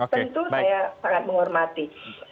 tentu saya sangat menghormati